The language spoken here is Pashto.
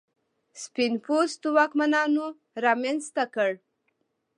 سپین پوستو واکمنانو رامنځته کړ.